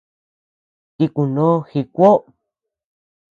Tikunó ji kuoʼo.